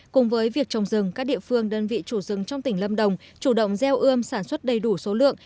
cùng với việc trồng rừng các địa phương đơn vị chủ rừng trong tỉnh lâm đồng chủ động gieo ươm sản xuất đầy đủ số lượng